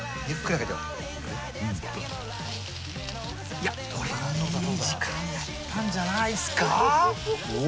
いやこれいい時間やったんじゃないっすか？